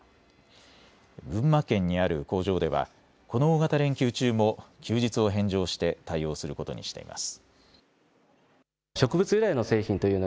群馬県にある工場ではこの大型連休中も休日を返上して対応することにしています。